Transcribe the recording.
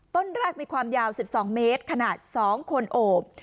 ต้นแรกมีความยาว๑๒เมตรขนาด๒คนโอบ